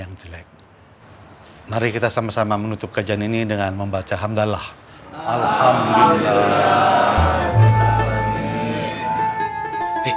yang jelek mari kita sama sama menutup kajian ini dengan membaca alhamdulillah